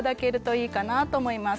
いいかなと思います。